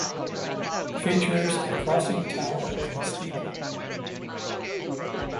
It features a crossing tower and steeple.